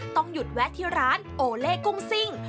ต้องหยุดแวะที่ร้านโอเล่กุ้งซิ่ง